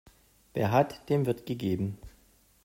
Wer hat, dem wird gegeben.